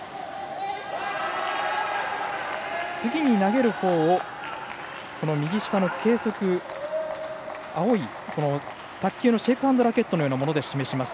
次に投げるほうを青い、卓球のシェークハンドラケットのようなもので示します。